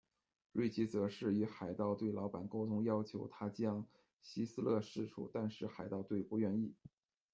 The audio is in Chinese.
瑞奇则是与海盗队老板沟通，要求他将希斯勒释出，但是海盗队不愿意。